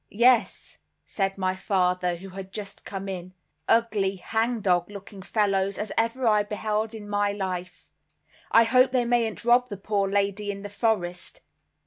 "Yes," said my father, who had just come in, "ugly, hang dog looking fellows as ever I beheld in my life. I hope they mayn't rob the poor lady in the forest.